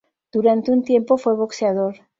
Durante un tiempo, fue boxeador.